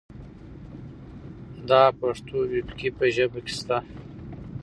دا پښتو وييکي په ژبه کې سته.